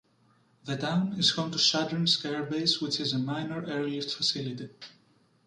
The town is home to Shadrinsk air base which is a minor airlift facility.